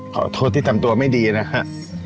ขอโทษที่ทำตัวไม่ดีนะฮะ